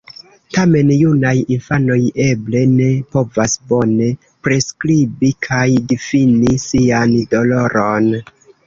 Tamen, junaj infanoj eble ne povas bone priskribi kaj difini sian doloron.